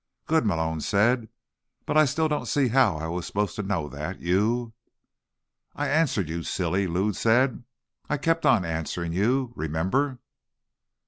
"Good," Malone said. "But I still don't see how I was supposed to know that you—" "I answered you, silly," Lou said. "I kept on answering you. Remember?"